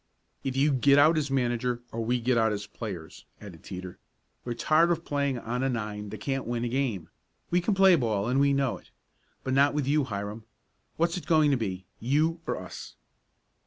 "Either you get out as manager or we get out as players," added Teeter. "We're tired of playing on a nine that can't win a game. We can play ball, and we know it. But not with you, Hiram. What's it going to be you or us?"